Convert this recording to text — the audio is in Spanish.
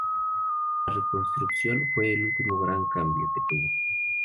La reconstrucción fue el último gran cambio que tuvo.